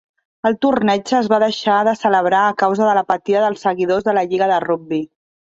El torneig es va deixar de celebrar a causa de l'apatia dels seguidors de la lliga de rugbi.